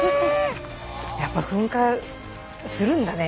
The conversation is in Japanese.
やっぱ噴火するんだね。